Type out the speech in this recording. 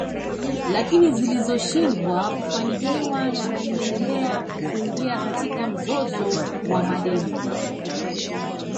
Lakini zilishindwa kufanikiwa na aliendelea kuingia katika mzozo wa madeni